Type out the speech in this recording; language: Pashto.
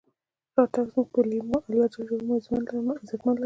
راتګ مو زمونږ پۀ لېمو، الله ج مو عزتمن لره.